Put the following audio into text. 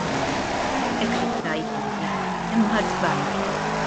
Hekk ridt tgħid inti imma ħadt żball.